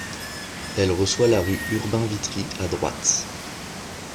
Elle reçoit la rue Urbain-Vitry à droite.